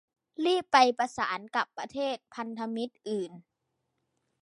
รีบไปประสานกับประเทศพันธมิตรอื่น